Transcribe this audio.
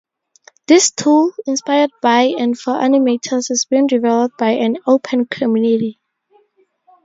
This tool, inspired by and for animators, is being developed by an open community.